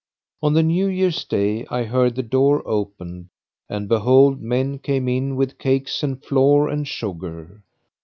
On the New Year's day I heard the door opened and behold, men came in with cakes and flour and sugar.